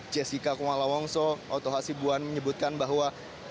jessica kumala wongso otoha sibuan menyebutkan bahwa